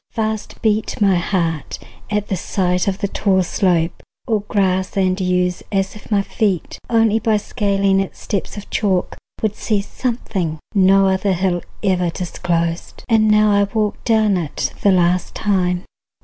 Fast beat My heart at the sight of the tall slope Or grass and yews, as if my feet Only by scaling its steps of chalk Would see something no other hill Ever disclosed. And now I walk Down it the last time.